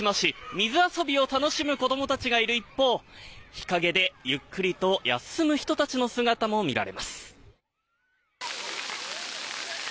水遊びを楽しむ子供たちがいる一方日陰でゆっくりと休む人たちの姿も見られます。